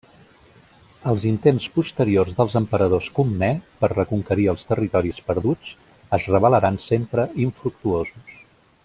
Els intents posteriors dels emperadors Comnè per reconquerir els territoris perduts es revelaran sempre infructuosos.